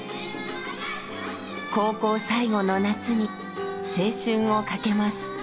高校最後の夏に青春を懸けます。